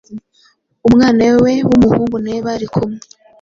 Umwana we w’umuhungu na we bari kumwe